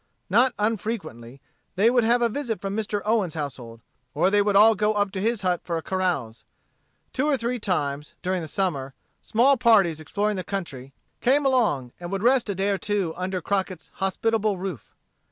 Not unfrequently they would have a visit from Mr. Owen's household; or they would all go up to his hut for a carouse. Two or three times, during the summer, small parties exploring the country came along, and would rest a day or two under Crockett's hospitable roof.